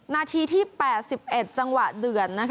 นาทีที่๘๑จังหวะเดือด